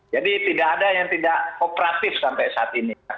jadi tidak ada yang tidak kooperatif sampai saat ini